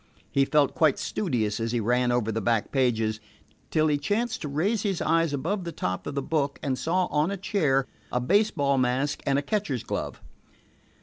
He felt quite studious as he ran over the back pages, till he chanced to raise his eyes above the top of the book and saw on a chair a baseball mask and a catcher's glove.